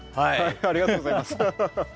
ありがとうございます。